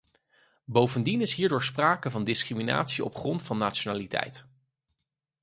Bovendien is hierdoor sprake van discriminatie op grond van nationaliteit.